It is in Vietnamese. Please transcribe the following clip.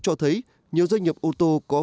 cho thấy nhiều doanh nghiệp ô tô có